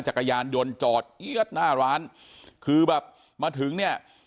จักรยานยนต์จอดเอี๊ยดหน้าร้านคือแบบมาถึงเนี่ย